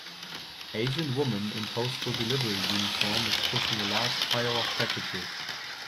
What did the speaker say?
Asian woman in postal delivery uniform is pushing a large pile of packages.